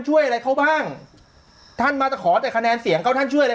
ช่วยอะไรเขาบ้างท่านมาจะขอแต่คะแนนเสียงเขาท่านช่วยอะไร